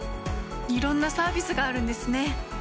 いろんなサービスがあるんですね。